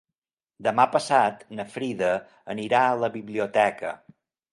Demà passat na Frida anirà a la biblioteca.